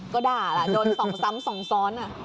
ก็ด่าล่ะโดนส่องซ้ำส่องซ้อน